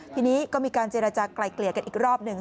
ทีนี้ก็มีการเจรจากลายเกลี่ยกันอีกรอบหนึ่ง